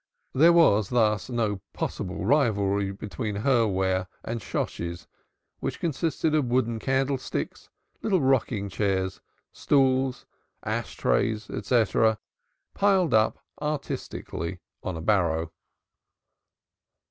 There was thus no possible rivalry between her ware and Shosshi's, which consisted of wooden candlesticks, little rocking chairs, stools, ash trays, etc., piled up artistically on a barrow.